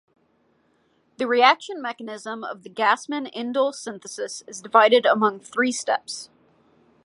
The reaction mechanism of the Gassman indole synthesis is divided among three steps.